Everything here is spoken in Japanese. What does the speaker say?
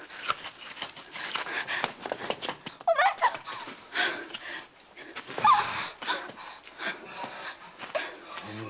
お前さんっ！